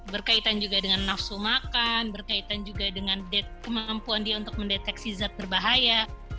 berkaitan juga dengan nafsu makan berkaitan juga dengan kemampuan dia untuk mendeteksi zat berbahaya